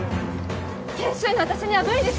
研修医の私には無理です